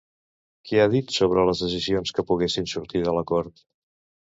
Què ha dit sobre les decisions que poguessin sorgir de l'acord?